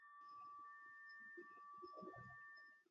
نزهة عندي كاسمها نزهه